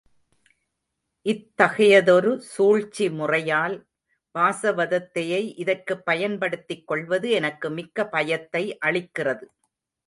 இத்தகையதொரு சூழ்ச்சிமுறையால் வாசவதத்தையை இதற்குப் பயன்படுத்திக் கொள்வது எனக்கு மிக்க பயத்தை அளிக்கிறது.